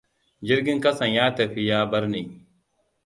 Jirgin kasan ya tafi ya barni.